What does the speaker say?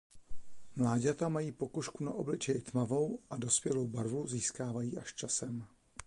Mláďata mají pokožku na obličeji tmavou a dospělou barvu získají až časem.